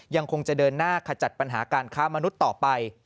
ยังคงจะเดินหน้าขจัดปัญหาการค้ามนุษย์ต่อไป